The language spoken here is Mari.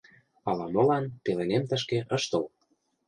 — Ала-молан пеленем тышке ыш тол.